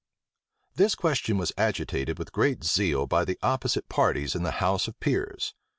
This question was agitated with great zeal by the opposite parties in the house of peers.